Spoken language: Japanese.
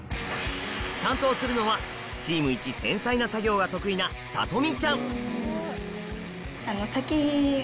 担当するのはチームいち繊細な作業が得意なさとみちゃん